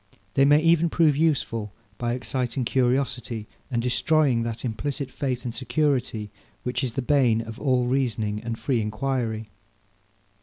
They may even prove useful, by exciting curiosity, and destroying that implicit faith and security, which is the bane of all reasoning and free enquiry.